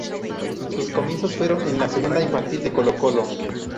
Sus comienzos fueron en la segunda infantil de Colo-Colo.